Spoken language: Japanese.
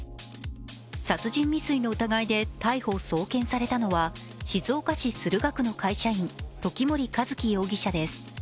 殺人未遂の疑いで逮捕・送検されたのは、静岡市駿河区の会社員時森一輝容疑者です。